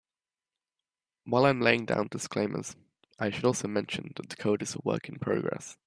While I'm laying down disclaimers, I should also mention that the code is a work in progress.